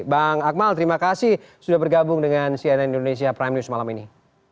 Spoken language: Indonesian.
bang akmal terima kasih sudah bergabung dengan cnn indonesia prime news malam ini